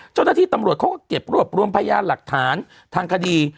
เจ้าหน้าที่ตำรวจเขาก็เก็บรวบรวมพยานหลักฐานทางคดี